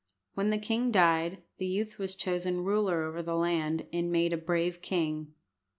When the king died, the youth was chosen ruler over the land, and made a brave king.